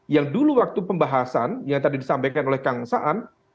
yang dulu waktu pembahasan yang tadi disampaikan oleh kang saan